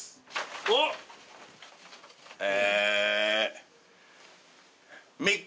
おっ！え。